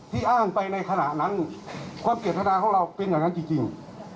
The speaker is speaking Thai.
อ้างไปในขณะนั้นความเจตนาของเราเป็นอย่างนั้นจริง